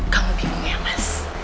kamu bingung ya mas